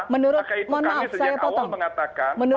maka itu kami sejak awal mengatakan